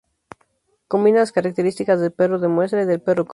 Combina las características del perro de muestra y del perro cobrador.